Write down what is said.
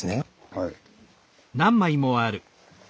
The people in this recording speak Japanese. はい。